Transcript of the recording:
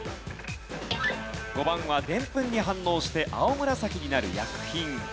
５番はデンプンに反応して青紫になる薬品。